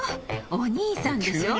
お兄さんでしょ？